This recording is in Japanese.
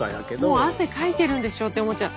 「もう汗かいてるんでしょ」って思っちゃう。